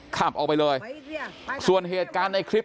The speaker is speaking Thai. ขับออกไปเลยส่วนเหตุการณ์ในคลิป